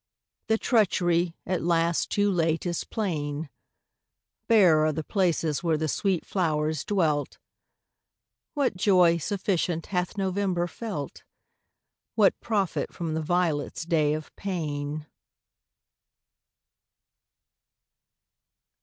The treachery, at last, too late, is plain; Bare are the places where the sweet flowers dwelt. What joy sufficient hath November felt? What profit from the violet's day of pain?